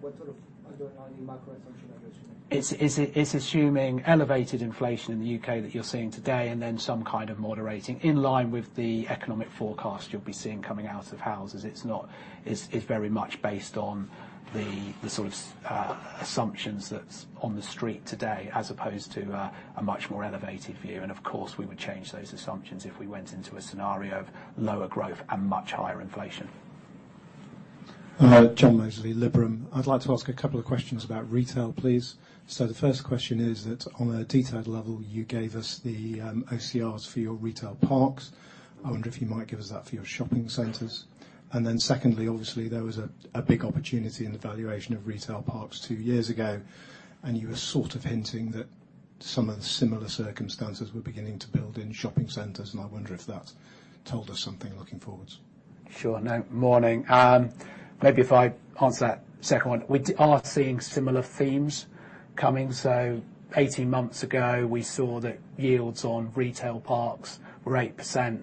Speaker 5: What sort of underlying macro assumption are you assuming?
Speaker 1: It's assuming elevated inflation in the UK that you're seeing today and then some kind of moderating in line with the economic forecast you'll be seeing coming out of houses. It's not very much based on the sort of assumptions that's on the street today as opposed to a much more elevated view. Of course, we would change those assumptions if we went into a scenario of lower-growth and much higher-inflation.
Speaker 6: John Mozley, Liberum. I'd like to ask a couple of questions about retail, please. The first question is that on a detailed level, you gave us the OCRs for your retail parks. I wonder if you might give us that for your shopping centers. Secondly, obviously, there was a big opportunity in the valuation of retail parks two years ago, and you were sort of hinting that some of the similar circumstances were beginning to build in shopping centers, and I wonder if that's told us something looking forwards.
Speaker 1: Sure. No. Morning. Maybe if I answer that second one. We are seeing similar themes coming. 18 months ago, we saw that yields on retail parks were 8%,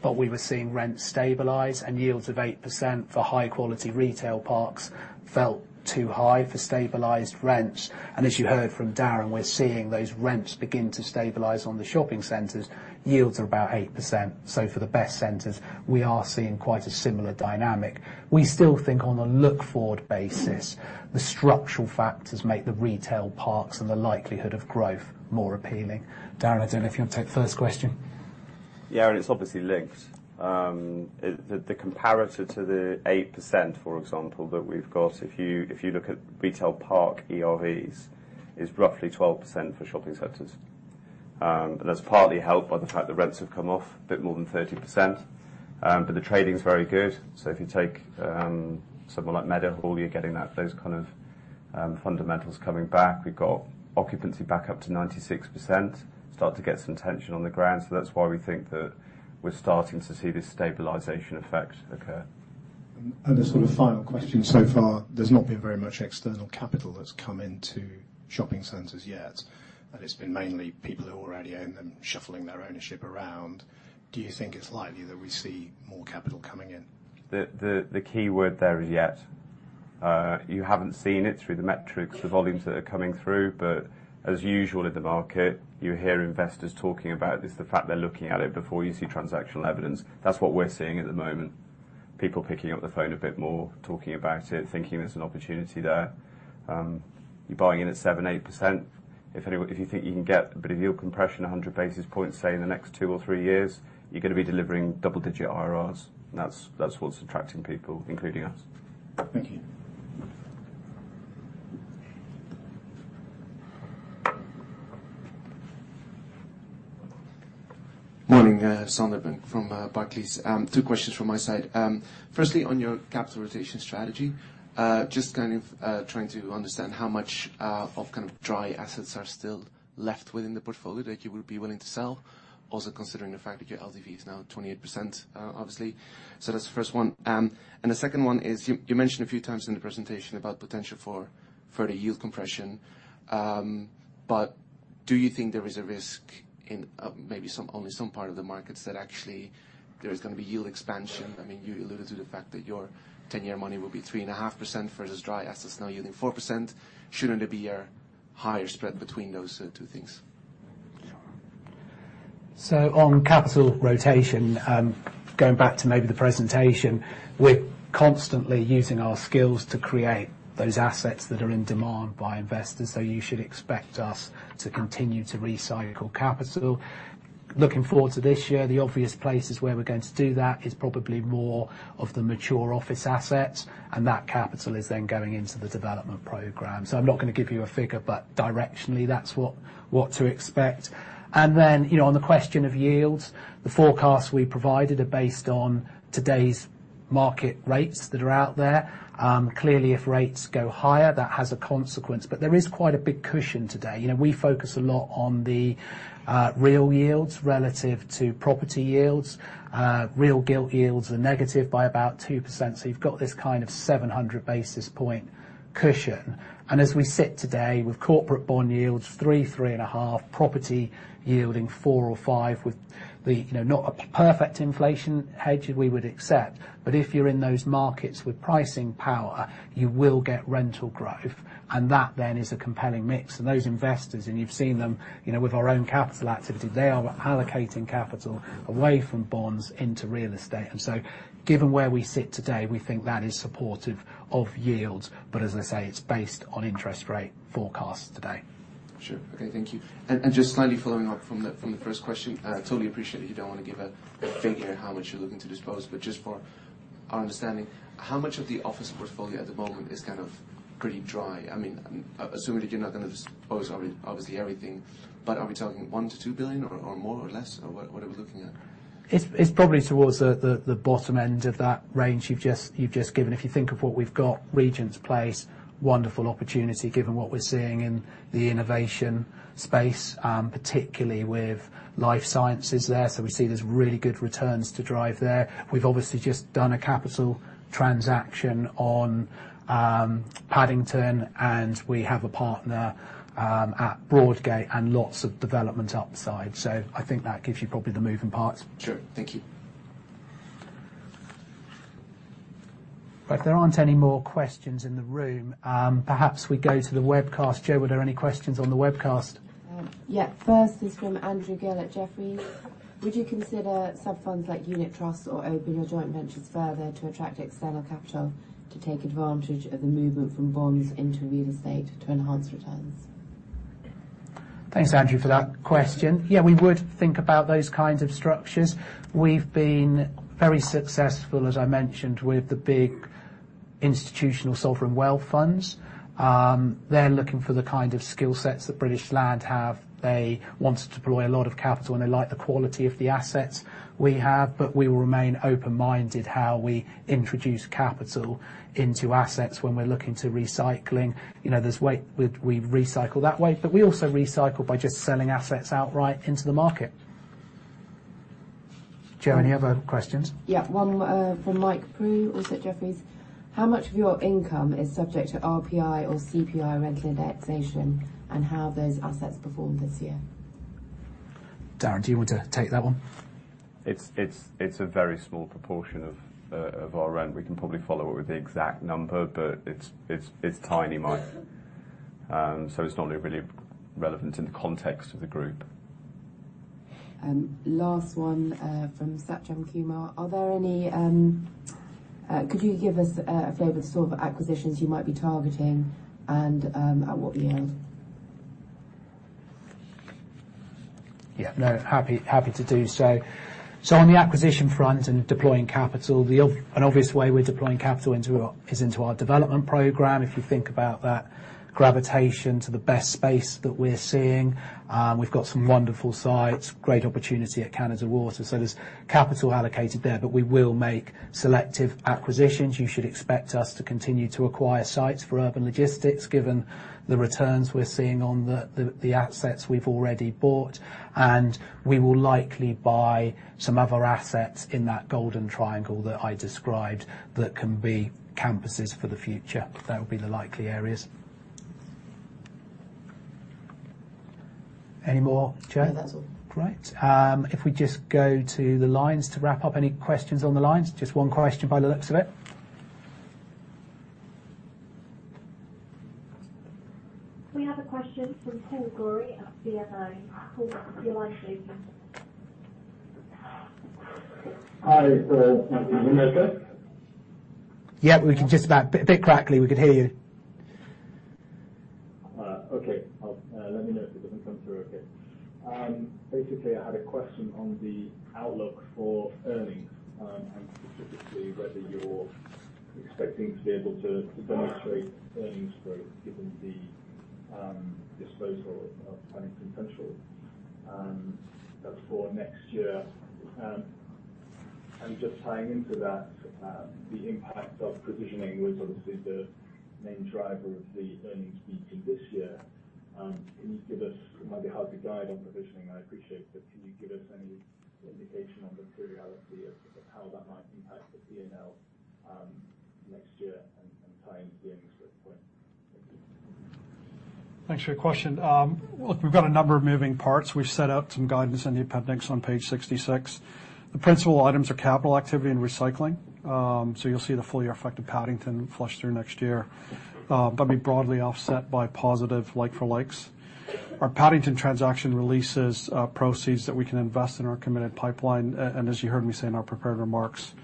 Speaker 1: but we were seeing rents stabilize and yields of 8% for high-quality retail parks felt too high for stabilized rents. As you heard from Darren, we're seeing those rents begin to stabilize on the shopping centers. Yields are about 8%. For the best centers, we are seeing quite a similar dynamic. We still think on a look-forward basis, the structural factors make the retail parks and the likelihood of growth more appealing. Darren, I don't know if you want to take the first question.
Speaker 3: Yeah, it's obviously linked. The comparator to the 8%, for example, that we've got, if you look at retail park ERVs, is roughly 12% for shopping centers. That's partly helped by the fact the rents have come off a bit more than 30%. The trading's very good. If you take somewhere like Meadowhall, you're getting that, those kind of fundamentals coming back. We've got occupancy back up to 96%. Start to get some tension on the ground. That's why we think that we're starting to see this stabilization effect occur.
Speaker 6: A sort of final question. So far, there's not been very much external capital that's come into shopping centers yet. It's been mainly people who already own them shuffling their ownership around. Do you think it's likely that we see more capital coming in?
Speaker 3: The key word there is yet. You haven't seen it through the metrics, the volumes that are coming through. As usual in the market, you hear investors talking about this, the fact they're looking at it before you see transactional evidence. That's what we're seeing at the moment. People picking up the phone a bit more, talking about it, thinking there's an opportunity there. You're buying in at 7-8%. If you think you can get a bit of yield compression 100 basis points, say, in the next 2 or 3 years, you're gonna be delivering double-digit IRRs. That's what's attracting people, including us.
Speaker 6: Thank you.
Speaker 7: Morning. Sander Bunck from Barclays. Two questions from my side. Firstly, on your capital rotation strategy, just kind of trying to understand how much of kind of dry assets are still left within the portfolio that you would be willing to sell, also considering the fact that your LTV is now 28%, obviously. So that's the first one. The second one is, you mentioned a few times in the presentation about potential for further yield compression. Do you think there is a risk in, maybe some, only some part of the markets that actually there is gonna be yield expansion? I mean, you alluded to the fact that your 10-year money will be 3.5% versus dry assets now yielding 4%. Shouldn't there be a higher-spread between those, two things?
Speaker 1: On capital rotation, going back to maybe the presentation, we're constantly using our skills to create those assets that are in demand by investors. You should expect us to continue to recycle capital. Looking forward to this year, the obvious places where we're going to do that is probably more of the mature office assets, and that capital is then going into the development program. I'm not gonna give you a figure, but directionally, that's what to expect. Then, you know, on the question of yields, the forecasts we provided are based on today's market rates that are out there. Clearly, if rates go higher, that has a consequence. There is quite a big cushion today. You know, we focus a lot on the real yields relative to property yields. Real gilt yields are negative by about 2%, so you've got this kind of 700 basis point cushion. As we sit today with corporate bond yields 3%-3.5%, property yielding 4%-5% with the, you know, not a perfect inflation hedge, we would accept. If you're in those markets with pricing power, you will get rental growth, and that then is a compelling mix. Those investors, and you've seen them, you know, with our own capital activity, they are allocating capital away from bonds into real estate. Given where we sit today, we think that is supportive of yields. As I say, it's based on interest rate forecasts today.
Speaker 7: Sure. Okay. Thank you. Just slightly following up from the first question, totally appreciate that you don't wanna give a figure how much you're looking to dispose, but just for our understanding, how much of the office portfolio at the moment is kind of pretty dry? I mean, assuming that you're not gonna dispose obviously everything, but are we talking 1 billion-2 billion or more or less? Or what are we looking at?
Speaker 1: It's probably towards the bottom-end of that range you've just given. If you think of what we've got, Regent's Place, wonderful opportunity given what we're seeing in the innovation space, particularly with life sciences there. We see there's really good returns to drive there. We've obviously just done a capital transaction on Paddington, and we have a partner at Broadgate and lots of development upside. I think that gives you probably the moving parts.
Speaker 7: Sure. Thank you.
Speaker 1: If there aren't any more questions in the room, perhaps we go to the webcast. Jo, are there any questions on the webcast?
Speaker 8: First is from Andrew Gill at Jefferies. Would you consider sub-funds like unit trusts or open your joint ventures further to attract external capital to take advantage of the movement from bonds into real estate to enhance returns?
Speaker 1: Thanks, Andrew, for that question. Yeah, we would think about those kinds of structures. We've been very successful, as I mentioned, with the big institutional sovereign wealth funds. They're looking for the kind of skill sets that British Land have. They wanted to deploy a lot of capital, and they like the quality of the assets we have, but we will remain open-minded how we introduce capital into assets when we're looking to recycling. You know, we recycle that way, but we also recycle by just selling assets outright into the market. Jo, any other questions?
Speaker 8: Yeah. One from Mike Prew, also at Jefferies. How much of your income is subject to RPI or CPI rental indexation, and how have those assets performed this year?
Speaker 1: Darren, do you want to take that one?
Speaker 3: It's a very small proportion of our rent. We can probably follow-up with the exact number, but it's tiny, Mike. It's not really relevant in the context of the group.
Speaker 8: Last one, from Satnam Kumar. Could you give us a flavor of sort of acquisitions you might be targeting and at what yield?
Speaker 1: Yeah, no, happy to do so. On the acquisition front and deploying capital, an obvious way we're deploying capital is into our development program, if you think about that gravitation to the best space that we're seeing. We've got some wonderful sites, great opportunity at Canada Water, so there's capital allocated there, but we will make selective acquisitions. You should expect us to continue to acquire sites for urban logistics, given the returns we're seeing on the assets we've already bought. We will likely buy some other assets in that Golden Triangle that I described that can be campuses for the future. That would be the likely areas. Any more, Jo?
Speaker 8: No, that's all.
Speaker 1: Great. If we just go to the lines to wrap up. Any questions on the lines? Just one question by the looks of it.
Speaker 9: We have a question from Paul Gorrie at Citi. Paul, your line's open.
Speaker 1: Hi, Paul.
Speaker 10: Can you hear me okay?
Speaker 1: Yeah. We can just about. A bit crackly, we could hear you.
Speaker 10: Okay. I'll let you know if it doesn't come through okay. Basically, I had a question on the outlook for earnings, and specifically whether you're expecting to be able to demonstrate earnings growth given the disposal of Paddington Central for next year. Just tying into that, the impact of provisioning was obviously the main driver of the earnings beat for this year. Can you give us, it might be hard to guide on provisioning, I appreciate, but can you give us any indication on the materiality of how that might impact the P&L next year and tie into the earnings growth point? Thank you.
Speaker 2: Thanks for your question. Look, we've got a number of moving parts. We've set out some guidance in the appendix on page 66. The principal items are capital activity and recycling, so you'll see the full-year effect of Paddington flow through next year, but be broadly offset by positive like-for-likes. Our Paddington transaction releases proceeds that we can invest in our committed pipeline. And as you heard me say in our prepared remarks,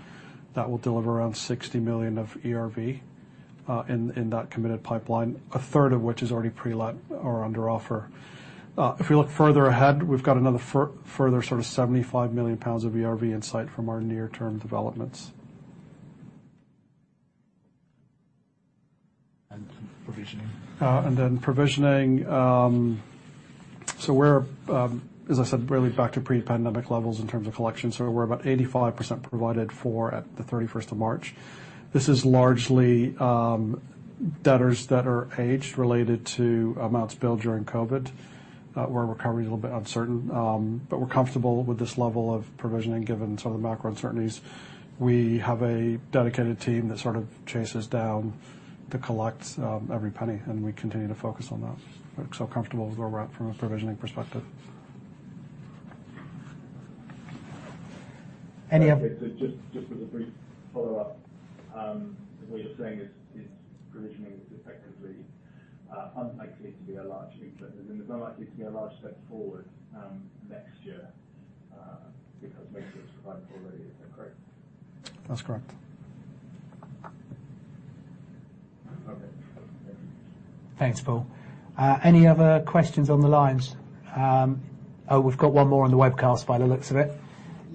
Speaker 2: that will deliver around 60 million of ERV in that committed pipeline, a third of which is already pre-let or under offer. If we look further ahead, we've got another further sort of 75 million pounds of ERV in sight from our near-term developments.
Speaker 10: Provisioning?
Speaker 2: Provisioning. We're, as I said, really back to pre-pandemic levels in terms of collection. We're about 85% provided for at the 31st of March. This is largely debtors that are age-related to amounts billed during COVID. Where recovery is a little bit uncertain, but we're comfortable with this level of provisioning given some of the macro uncertainties. We have a dedicated team that sort of chases down to collect every penny, and we continue to focus on that. We're so comfortable with where we're at from a provisioning perspective.
Speaker 1: Any oth-
Speaker 10: Okay. Just as a brief follow-up. What you're saying is provisioning is effectively unlikely to be a large input. There's no likelihood to be a large step forward next year because most of it's provided already. Is that correct?
Speaker 2: That's correct.
Speaker 10: Okay. Thank you.
Speaker 1: Thanks, Paul. Any other questions on the lines? Oh, we've got one more on the webcast by the looks of it.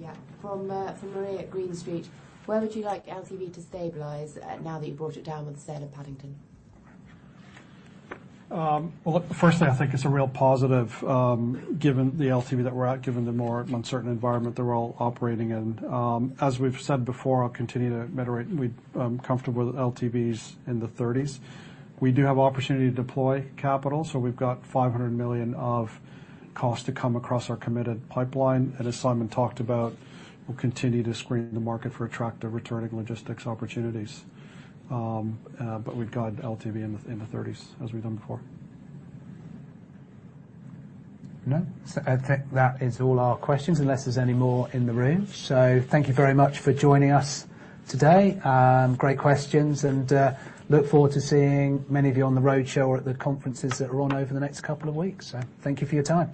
Speaker 8: Yeah. From Marie at Green Street. Where would you like LTV to stabilize, now that you've brought it down with the sale of Paddington?
Speaker 2: Well, look, firstly, I think it's a real positive, given the LTV that we're at, given the more uncertain environment that we're all operating in. As we've said before, I'll continue to moderate. We're comfortable with LTVs in the thirties. We do have opportunity to deploy capital, so we've got 500 million of cost to come across our committed pipeline. As Simon talked about, we'll continue to screen the market for attractive returning logistics opportunities. We've got LTV in the thirties as we've done before.
Speaker 1: No? I think that is all our questions, unless there's any more in the room. Thank you very much for joining us today. Great questions, and look forward to seeing many of you on the roadshow or at the conferences that are on over the next couple of weeks. Thank you for your time.